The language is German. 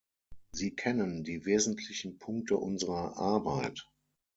Sie kennen die wesentlichen Punkte unserer Arbeit.